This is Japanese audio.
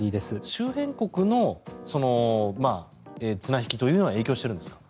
周辺国の綱引きというのが影響しているんですか。